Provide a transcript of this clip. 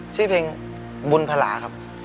ชื่อเพลงบุญพลาครับ